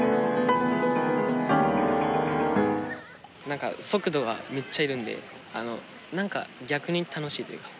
何か速度がめっちゃ要るんで何か逆に楽しいというか。